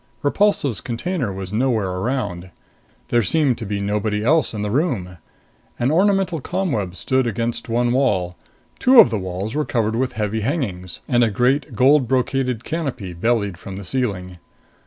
Repulsive's container was nowhere around. There seemed to be nobody else in the room. An ornamental ComWeb stood against one wall. Two of the walls were covered with heavy hangings, and a great gold brocaded canopy bellied from the ceiling.